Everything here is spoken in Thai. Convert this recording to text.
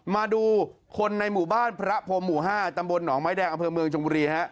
มาดูคนในหมู่บ้านพระพรมหมู่๕ตำบลหนองไม้แดงอำเภอเมืองชมบุรีฮะ